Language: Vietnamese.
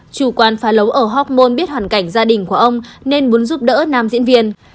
chủ quán pha lấu ở hoc mon biết hoàn cảnh gia đình của ông nên muốn giúp đỡ nam diễn viên